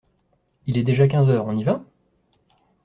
Il est déjà quinze heures, on y va?